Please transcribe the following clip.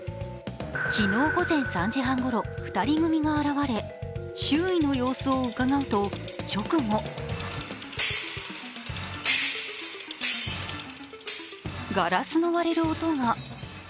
昨日午前３時半ごろ、２人組が現れ周囲の様子をうかがうと直後硝子の割れる音が。